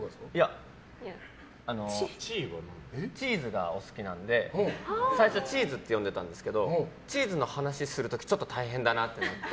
チーズがお好きなので最初チーズって呼んでいたんですけどチーズの話をする時ちょっと大変だなと思って。